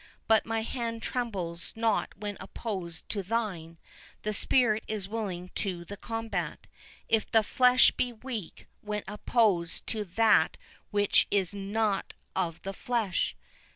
But my hand trembles not when opposed to thine—the spirit is willing to the combat, if the flesh be weak when opposed to that which is not of the flesh."